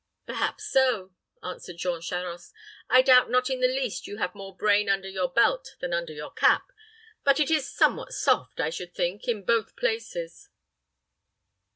"Perhaps so," answered Jean Charost. "I doubt not in the least you have more brain under your belt than under your cap; but it is somewhat soft, I should think, in both places."